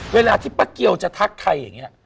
เวลาที่ป้าเกียวจะทักใครอย่างนี้